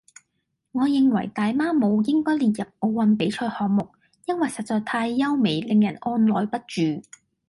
我認為大媽舞應該列入奧運比賽項目，因為實在太優美，令人按耐不住